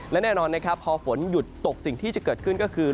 และแน่นอนนะครับพอฝนหยุดตกสิ่งที่จะเกิดขึ้นก็คือ